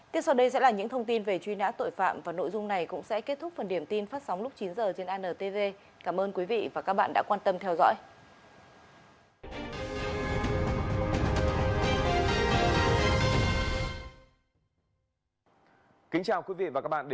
tiếp sau đây sẽ là những thông tin của các bạn